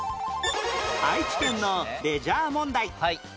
愛知県のレジャー問題